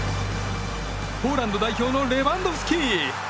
ポーランド代表のレバンドフスキ！